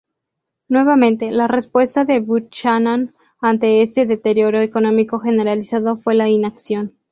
Nuevamente, la respuesta de Buchanan ante este deterioro económico generalizado fue la inacción.